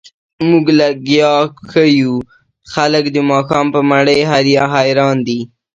موږ ليا ښه يو، خلګ د ماښام په مړۍ هريان دي.